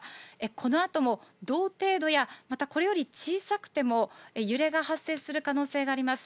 このあとも同程度や、またこれより小さくても、揺れが発生する可能性があります。